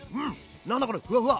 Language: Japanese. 何だこれふわふわ！